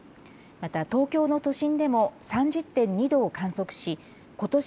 また東京の都心でも３０．２度を観測しことし